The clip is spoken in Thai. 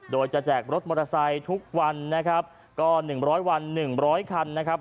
โดยจะแจกรถมอเตอร์ไซค์ทุกวันนะครับก็๑๐๐วัน๑๐๐คันนะครับ